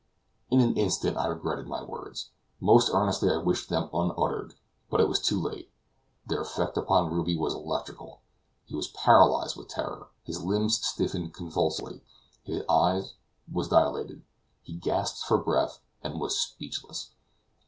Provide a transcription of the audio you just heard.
In an instant I regretted my words. Most earnestly I wished them unuttered. But it was too late their effect upon Ruby was electrical. He was paralyzed with terror; his limbs stiffened convulsively; his eye was dilated; he gasped for breath, and was speechless.